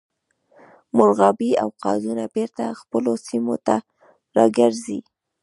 مرغابۍ او قازونه بیرته خپلو سیمو ته راګرځي